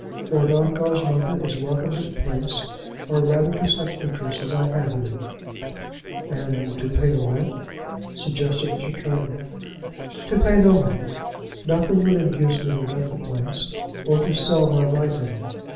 Lord Ongar's mother is welcome to the place, or rather to such interest as I have in it." "And to pay a rent?" suggested Mr. Turnbull. "To pay no rent! Nothing would induce me to let the place, or to sell my right in it.